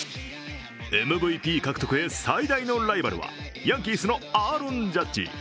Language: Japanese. ＭＶＰ獲得へ最大のライバルは、ヤンキースのアーロン・ジャッジ。